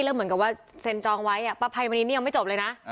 เรื่องเหมือนกับว่าเซ็นจองไว้อ่ะประภัยมณีนี้ยังไม่จบเลยนะอ่า